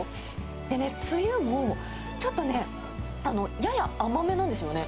でね、つゆも、ちょっとね、やや甘めなんですよね。